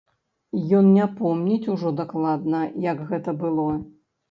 Ён не помніць ужо дакладна, як гэта было.